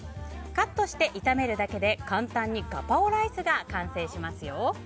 カットして炒めるだけで、簡単にガパオライスが完成しますよ。